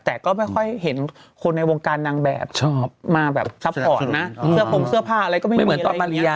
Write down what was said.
แต่ก็ไม่ค่อยเห็นคนในวงการนางแบบชอบมาแบบซัพพอร์ตนะเสื้อผงเสื้อผ้าอะไรก็ไม่เหมือนตอนมาริยา